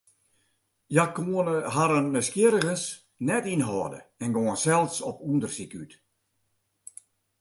Hja koene harren nijsgjirrigens net ynhâlde en gongen sels op ûndersyk út.